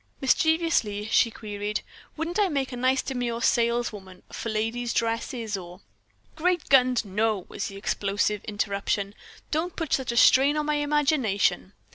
Mischievously she queried, "Wouldn't I make a nice demure saleswoman for ladies' dresses or " "Great guns, No!" was the explosive interruption. "Don't put such a strain on my imagination."